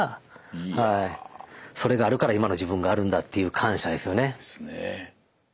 それがあるから今の自分があるんだっていう感謝ですよね。